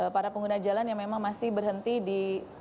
para pengguna jalan yang memang masih berhenti di